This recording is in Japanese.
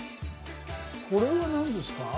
これは何ですか？